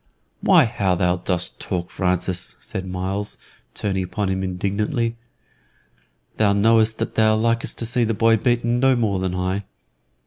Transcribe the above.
"Why, how dost thou talk, Francis!" said Myles, turning upon him indignantly. "Thou knowest that thou likest to see the boy beaten no more than I."